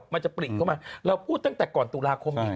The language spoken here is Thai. มันจะปลิกเข้ามาเราพูดตั้งแต่ก่อนตุลาคม